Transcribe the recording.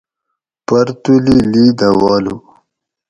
پرتولی لی دہ والو